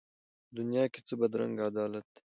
په دنیا کي څه بدرنګه عدالت دی